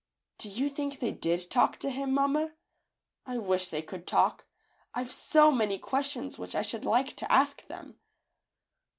Do you think they did talk to him, mamma? I wish they could talk. IVe so many questions which I should like to ask them."